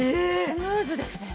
スムーズですね。